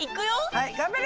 はいがんばれ！